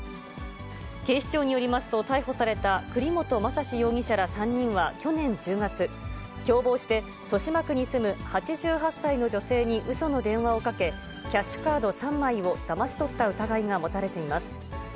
警視庁によりますと、逮捕された栗本昌史容疑者ら３人は去年１０月、共謀して豊島区に住む８８歳の女性にうその電話をかけ、キャッシュカード３枚をだまし取った疑いが持たれています。